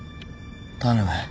頼む。